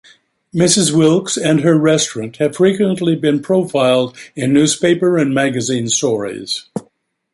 Mrs. Wilkes and her restaurant have frequently been profiled in newspaper and magazine stories.